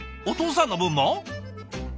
お父さんの分も？